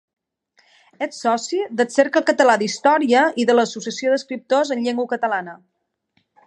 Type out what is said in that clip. És soci del Cercle Català d’Història i de l’Associació d’Escriptors en Llengua Catalana.